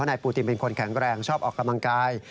นายปูตินเป็นคนแข็งแรงชอบออกกำลังกาย